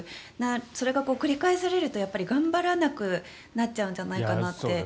それが繰り返されるとやっぱり頑張らなくなっちゃうんじゃないかなって。